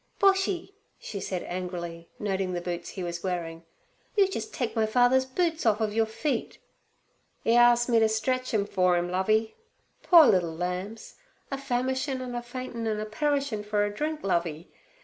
Boshy,' she said angrily, noticing the boots he was wearing, 'you jus' take my father's boots on orf of your feet.' "E as'ed me to stretch 'em for 'im, Lovey. Poor liddle lambs! a famishin' an' a faintin' an' a perishin' for a drink, Lovey.